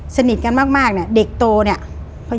สนิทกันมากเนี่ยเด็กโตเนี่ย